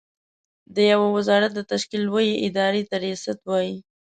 د يوه وزارت د تشکيل لويې ادارې ته ریاست وايې.